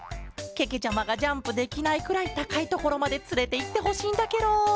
けけちゃまがジャンプできないくらいたかいところまでつれていってほしいんだケロ！